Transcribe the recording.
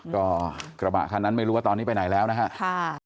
ก็กระบะคันนั้นไม่รู้ว่าตอนนี้ไปไหนแล้วนะฮะ